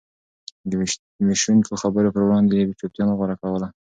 د وېشونکو خبرو پر وړاندې يې چوپتيا نه غوره کوله.